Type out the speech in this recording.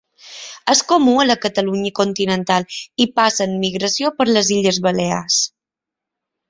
És comú a la Catalunya continental i passa en migració per les Illes Balears.